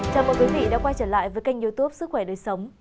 chào mừng quý vị đã quay trở lại với kênh youtube sức khỏe đời sống